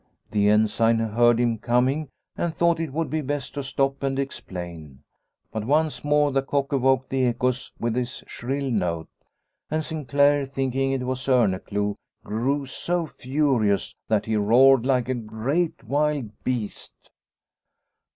The Ensign heard him coming and thought it would be best to stop and explain. But once more the cock awoke the echoes with his shrill note, and Sinclaire, thinking it was Orneclou, grew so furious that he roared like a great wild beast.